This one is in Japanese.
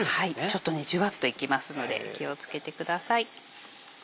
ちょっとねジュワっといきますので気を付けてください。